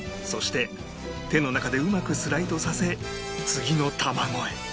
そして手の中でうまくスライドさせ次の卵へ